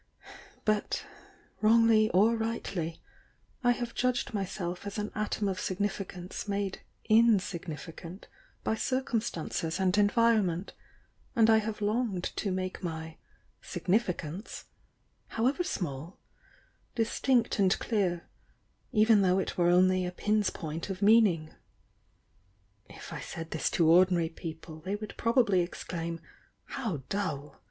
But, wrongly or rightly, I have judged myself as an atom of significance made insignifi cant by circumstances and environm.ent, and I have longed to make my 'significance,' however small, dis tinct and clear, even though it were only a pin's point of meaning. If I said this to ordinary people, they would probably exclaim 'How dull!'